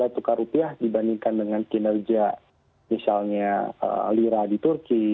tukar rupiah dibandingkan dengan kinerja misalnya lira di turki